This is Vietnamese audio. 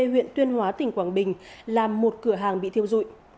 huyện tuyên hóa tỉnh quảng bình làm một cửa hàng bị thiêu dụi